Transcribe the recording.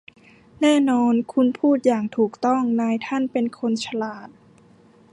แน่นอนคุณพูดอย่างถูกต้องนายท่านเป็นคนฉลาด